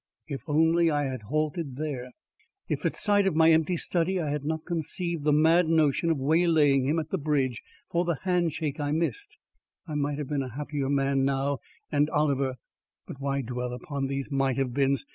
If only I had halted there! If, at sight of my empty study, I had not conceived the mad notion of waylaying him at the bridge for the hand shake I missed, I might have been a happy man now, and Oliver But why dwell upon these might have beens!